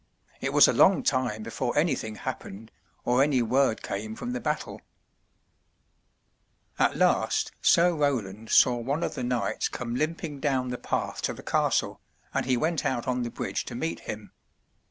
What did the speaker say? It was a long time before anything happened, or any word came from the battle. 206 THE TREASURE CHEST At last Sir Roland saw one of the knights come limping down the path to the castle, and he went out on the bridge to meet him.